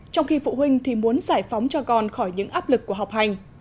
trong khi phụ huynh thì muốn giải phóng cho con khỏi những áp lực của học hành